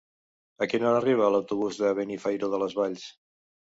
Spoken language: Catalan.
A quina hora arriba l'autobús de Benifairó de les Valls?